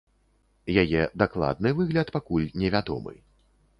Яе дакладны выгляд пакуль невядомы.